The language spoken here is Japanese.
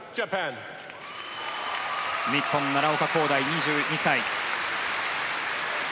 日本、奈良岡功大、２２歳。